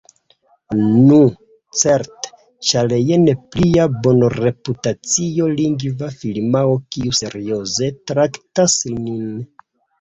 Nu, certe, ĉar jen plia bonreputacia lingva firmao kiu serioze traktas nin.